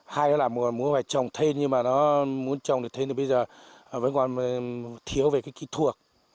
hai nữa là muốn phải trồng thêm nhưng mà nó muốn trồng được thế thì bây giờ vẫn còn thiếu về cái kỹ thuật